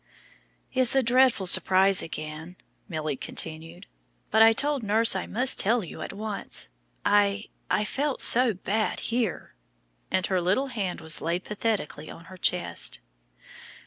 "It's a dreadful surprise again," Milly continued, "but I told nurse I must tell you at once. I I felt so bad here," and her little hand was laid pathetically on her chest.